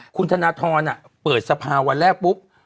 คุณธนทรเปิดสภาวันแรกปุ๊บ